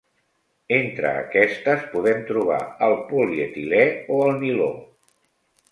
Entre aquestes podem trobar el polietilè o el niló.